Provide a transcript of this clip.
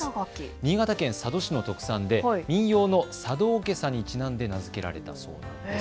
新潟県佐渡市の特産で民謡の佐渡おけさにちなんで名付けられたそうです。